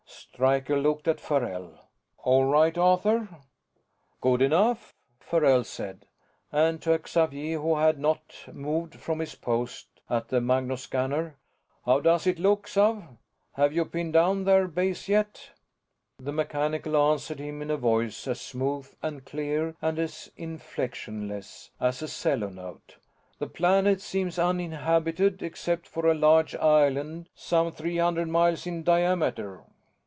Stryker looked at Farrell. "All right, Arthur?" "Good enough," Farrell said. And to Xavier, who had not moved from his post at the magnoscanner: "How does it look, Xav? Have you pinned down their base yet?" The mechanical answered him in a voice as smooth and clear and as inflectionless as a 'cello note. "The planet seems uninhabited except for a large island some three hundred miles in diameter.